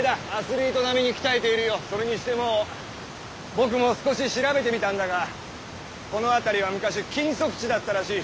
僕も少し調べてみたんだがこの辺りは昔禁足地だったらしい。